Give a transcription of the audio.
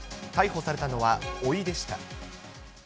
逮捕されたのはおいでした。